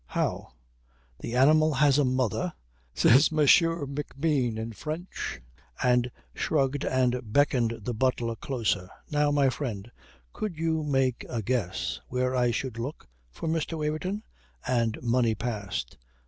"How? The animal has a mother?" says McBean in French, and shrugged and beckoned the butler closer. "Now, my friend, could you make a guess where I should look for Mr. Waverton?" and money passed.